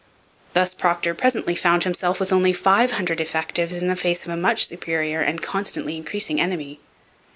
Thus Procter presently found himself with only five hundred effectives in face of a much superior and constantly increasing enemy.